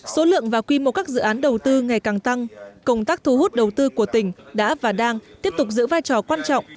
số lượng và quy mô các dự án đầu tư ngày càng tăng công tác thu hút đầu tư của tỉnh đã và đang tiếp tục giữ vai trò quan trọng